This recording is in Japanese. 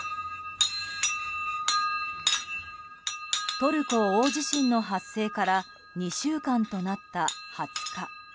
トルコ大地震の発生から２週間となった２０日。